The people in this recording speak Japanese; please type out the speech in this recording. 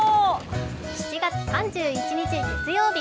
７月３１日月曜日。